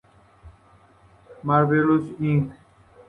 Marvelous Inc.